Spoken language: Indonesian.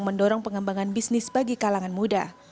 mendorong pengembangan bisnis bagi kalangan muda